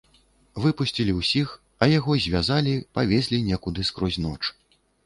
Выпусцілі ўсіх, а яго звязалі, павезлі некуды скрозь ноч.